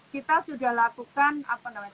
kita sudah lakukan apa namanya